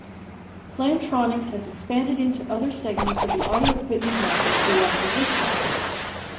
Plantronics has expanded into other segments of the audio equipment market through acquisitions.